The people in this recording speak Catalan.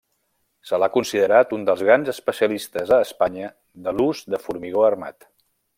Se l'ha considerat un dels grans especialistes a Espanya de l'ús de formigó armat.